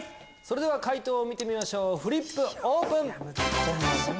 解答を見てみましょうフリップオープン！